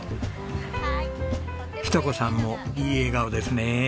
日登子さんもいい笑顔ですね。